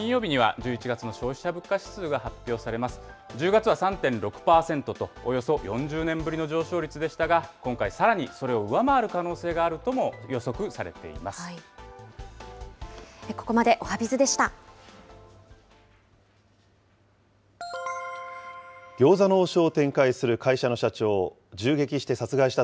１０月は３．６％とおよそ４０年ぶりの上昇率でしたが、今回さらにそれを上回る可能性があるともここまでおはＢｉｚでした。